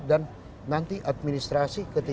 dan nanti di sini ada posko antemortem